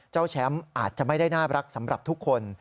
แชมป์อาจจะไม่ได้น่ารักสำหรับทุกคน